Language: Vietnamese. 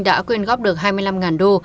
đã quyên góp được hai mươi năm đô